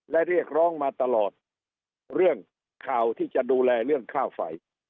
และเรียกร้องมาตลอดเรื่องข่าวที่จะดูแลเรื่องค่าไฟ